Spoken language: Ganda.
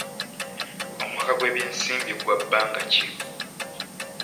Omwaka gw'ebyensimbi gwa bbanga ki?